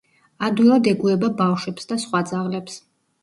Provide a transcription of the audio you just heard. ადვილად ეგუება ბავშვებს და სხვა ძაღლებს.